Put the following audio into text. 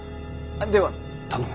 では頼む。